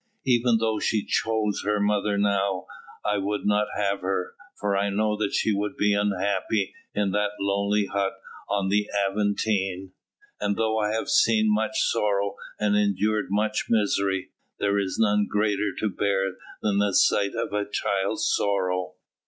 Even though she chose her mother now, I would not have her, for I know that she would be unhappy in that lonely hut on the Aventine; and though I have seen much sorrow and endured much misery, there is none greater to bear than the sight of a child's sorrow.